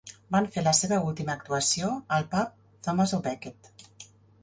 Van fer la seva última actuació al pub Thomas O'Becket.